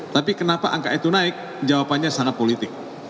tapi kenapa angka itu naik jawabannya sangat politik